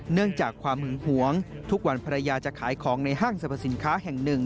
เนื่องจากความหึงหวงทุกวันภรรยาจะขายของในห้างสรรพสินค้าแห่งหนึ่ง